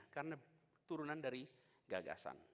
karena turunan dari gagasan